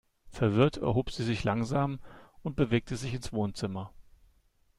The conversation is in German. Verwirrt erhob sie sich langsam und bewegte sich ins Wohnzimmer.